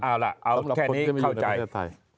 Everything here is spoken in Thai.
เอาล่ะเอาแค่นี้เข้าใจ